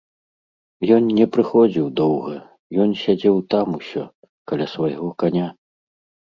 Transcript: Ён не прыходзіў доўга, ён сядзеў там усё, каля свайго каня.